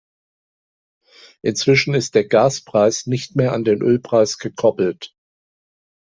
Inzwischen ist der Gaspreis nicht mehr an den Ölpreis gekoppelt.